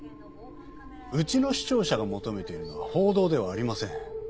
うちの視聴者が求めているのは報道ではありません。